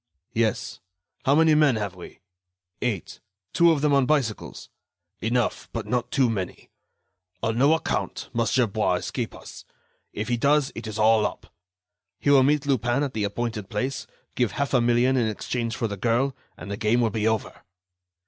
"Yes." "How many men have we?" "Eight—two of them on bicycles." "Enough, but not too many. On no account, must Gerbois escape us; if he does, it is all up. He will meet Lupin at the appointed place, give half a million in exchange for the girl, and the game will be over."